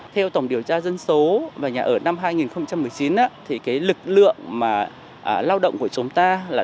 theo tổng điều tra dân số và nhà ở năm hai nghìn một mươi chín lực lượng lao động của chúng ta